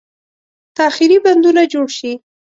تاخیري بندونه جوړ شي.